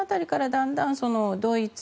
だんだんドイツ